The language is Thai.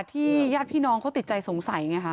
ญาติพี่น้องเขาติดใจสงสัยไงคะ